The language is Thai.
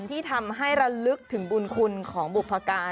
ที่ทำให้ระลึกถึงบุญคุณของบุพการ